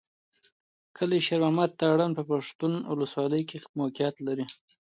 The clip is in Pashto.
کلي شېر محمد تارڼ په پښتون اولسوالۍ کښې موقعيت لري.